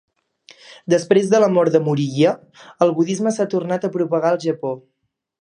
Després de la mort de Moriya, el budisme s"ha tornat a propagar al Japó.